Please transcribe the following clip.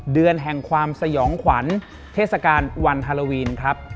เดือนแห่งความสยองขวัญเทศกาลวันฮาโลวีนครับ